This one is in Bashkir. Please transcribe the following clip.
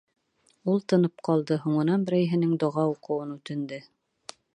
Ул тынып ҡалды, һуңынан берәйһенең доға уҡыуын үтенде: